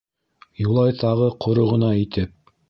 Юлай тағы ҡоро ғына итеп: